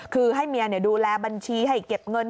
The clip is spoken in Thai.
คือให้เมียดูแลบัญชีให้เก็บเงิน